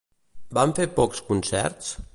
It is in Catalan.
Van fer pocs concerts?